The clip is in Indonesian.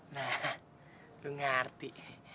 nah lo ngerti